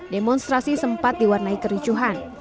demonstrasi sempat diwarnai kericuhan